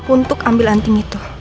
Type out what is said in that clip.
untuk ambil anting itu